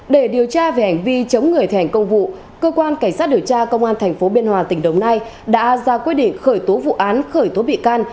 để điều tra về hành vi chống người thi hành công vụ cơ quan cảnh sát điều tra công an tp biên hòa tỉnh đồng nai đã ra quyết định khởi tố vụ án khởi tố bị can